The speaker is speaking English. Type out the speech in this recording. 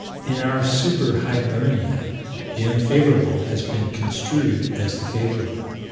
In our Super Hibernia, the unfavorable has been construed as the favorable.